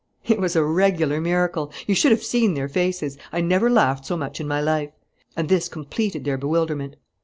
"It was a regular miracle. You should have seen their faces. I never laughed so much in my life; and this completed their bewilderment.